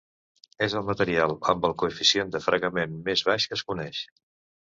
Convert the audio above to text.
És el material amb el coeficient de fregament més baix que es coneix.